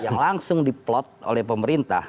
yang langsung diplot oleh pemerintah